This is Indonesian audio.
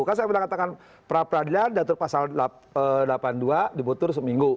kan saya sudah katakan pra peradilan datuk pasal delapan puluh dua dibutuhkan seminggu